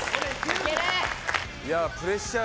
いやプレッシャー